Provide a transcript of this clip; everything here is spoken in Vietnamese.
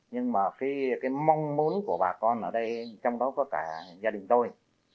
nhưng mà cái mong muốn của bà con ở đây trong đó có cả gia đình tôi